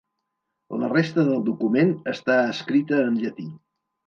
La resta del document està escrita en llatí.